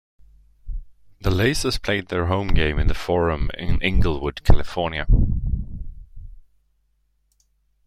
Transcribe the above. The Lazers played their home games in The Forum in Inglewood, California.